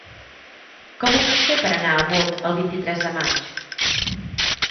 Com ho puc fer per anar a Bot el vint-i-tres de maig?